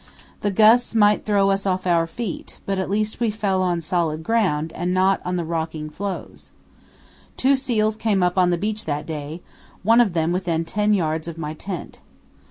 The gusts might throw us off our feet, but at least we fell on solid ground and not on the rocking floes. Two seals came up on the beach that day, one of them within ten yards of my tent.